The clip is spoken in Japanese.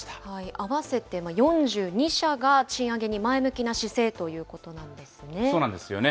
合わせて４２社が、賃上げに前向きな姿勢ということなんですそうなんですよね。